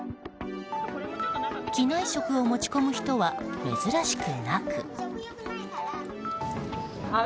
機内食を持ち込む人は珍しくなく。